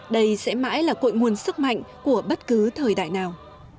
đây sẽ mãi là cội nguồn sức mạnh của bất cứ thời đại nào